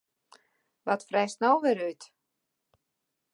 Wat fretst no wer út?